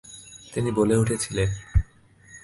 তিনি বলে উঠেছিলেন